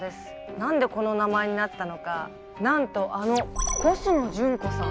何でこの名前になったのか何とあのコシノジュンコさん